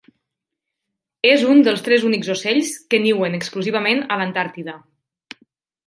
És un dels tres únics ocells que niuen exclusivament a l'Antàrtida.